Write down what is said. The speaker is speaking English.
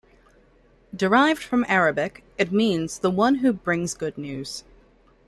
Derived from Arabic, it means "the one who brings good news".